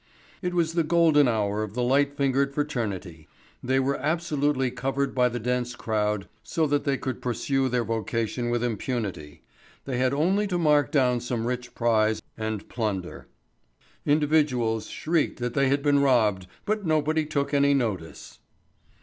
It was the golden hour of the light fingered fraternity. They were absolutely covered by the dense crowd so that they could pursue their vocation with impunity. They had only to mark down some rich prize and plunder. Individuals shrieked that they had been robbed, but nobody took any notice.